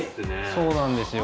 そうなんですよ。